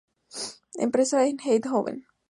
Empresa en Eindhoven.